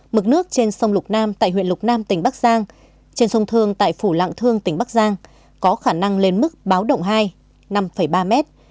huyện lục nam tại huyện lục nam tỉnh bắc giang trên sông thương tại phủ lạng thương tỉnh bắc giang có khả năng lên mức bá động hai năm ba mét